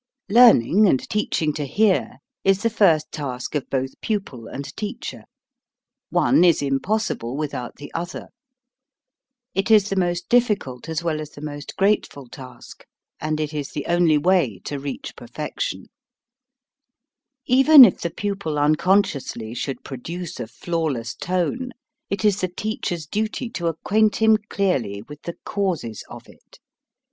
Learning and teaching to hear is the first task of both pupil and teacher. One is impos sible without the other. It is the most dif ficult as well as the most grateful task, and it is the only way to reach perfection. BREATH AND WHIRLING CURRENTS 35 Even if the pupil unconsciously should produce a flawless tone, it is the teacher's duty to acquaint him clearly with the causes of it.